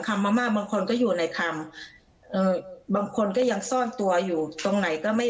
มาม่าบางคนก็อยู่ในคำเอ่อบางคนก็ยังซ่อนตัวอยู่ตรงไหนก็ไม่